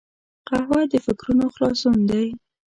قهوه د فکرونو خلاصون دی